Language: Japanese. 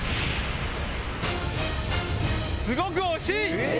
すごく惜しい。